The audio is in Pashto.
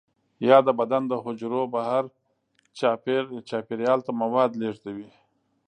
یا د بدن د حجرو بهر چاپیریال ته مواد لیږدوي.